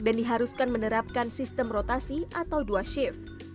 dan diharuskan menerapkan sistem rotasi atau dua shift